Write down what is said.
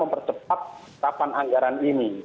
percepatan anggaran ini